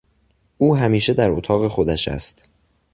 او همیشه در اتاق خودش است.